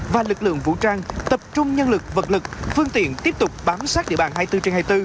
và lực lượng vũ trang tập trung nhân lực vật lực phương tiện tiếp tục bám sát địa bàn hai mươi bốn trên hai mươi bốn